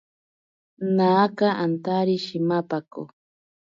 Naaka antari shimapako.